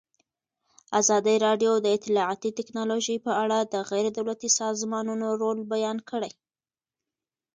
ازادي راډیو د اطلاعاتی تکنالوژي په اړه د غیر دولتي سازمانونو رول بیان کړی.